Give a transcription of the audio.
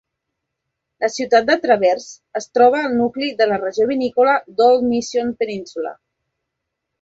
La ciutat de Traverse es troba al nucli de la regió vinícola Old Mission Peninsula.